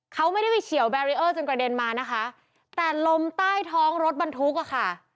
เขาไม่ได้ไปเฉียวแบรีเออร์จนกระเด็นมานะคะแต่ลมใต้ท้องรถบรรทุกอ่ะค่ะ